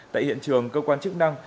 tại hiện trường cơ quan chức năng